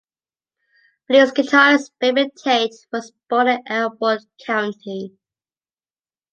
Blues guitarist Baby Tate was born in Elbert County.